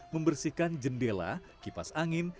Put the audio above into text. membersihkan jendela kipas angin